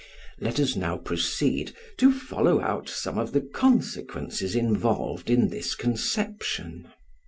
Let us now proceed to follow out some of the consequences involved in this conception.